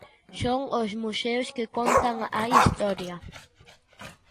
Son os museos que contan a historia.